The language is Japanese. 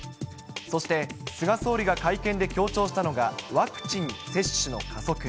そして、菅総理が会見で強調したのが、ワクチン接種の加速。